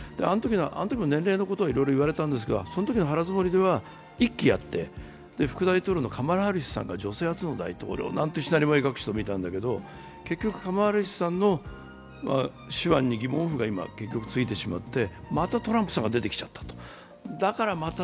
あのときも年齢のことをいろいろ言われたんですが、そのときの腹づもりでは、１期やって、副大統領のカマラ・ハリスさんが女性初の大統領なんてシナリオを描くひともいたんだけど結局、カマラ・ハリスさんの手腕に今、疑問符がついてしまってまたトランプさんが出てきちゃったと。